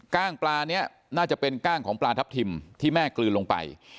้างปลานี้น่าจะเป็นกล้างของปลาทับทิมที่แม่กลืนลงไป